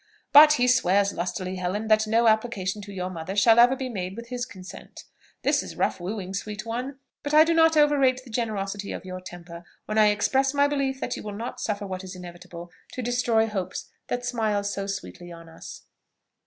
But he swears lustily, Helen, that no application to your mother shall ever be made with his consent. This is rough wooing, sweet one! But do I overrate the generosity of your temper when I express my belief that you will not suffer what is inevitable, to destroy hopes that smile so sweetly on us?